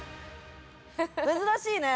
◆珍しいね。